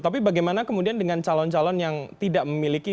tapi bagaimana kemudian dengan calon calon yang tidak memiliki